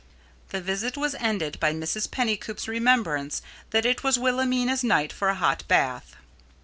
The visit was ended by Mrs. Pennycoop's remembrance that it was Wilhelmina's night for a hot bath.